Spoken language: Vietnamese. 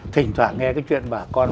thỉnh thoảng nghe cái chuyện bà con